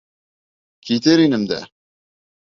— Китер инем дә...